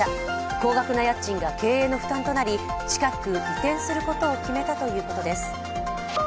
高額な家賃が経営の負担となり近く移転することを決めたということです。